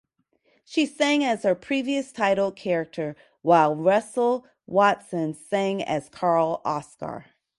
She sang as her previous title character while Russell Watson sang as Karl Oskar.